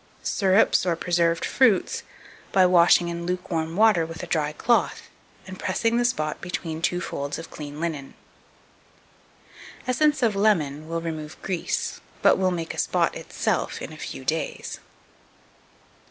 2273. Syrups or Preserved Fruits, by washing in lukewarm water with a dry cloth, and pressing the spot between two folds of clean linen. 2274. Essence of Lemon will remove grease, but will make a spot itself in a few days.